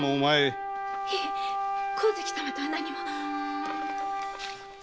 いいえ香月様とは何も。